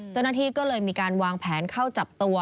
เจ้าหน้าที่ก็เลยมีการวางแผนเข้าจับตัว